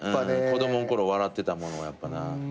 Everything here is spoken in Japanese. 子供の頃に笑ってたものはやっぱな。